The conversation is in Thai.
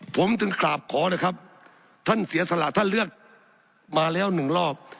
ผมจึงกราบขอเลยครับท่านเสียสละท่านเลือกมาแล้วหนึ่งรอบ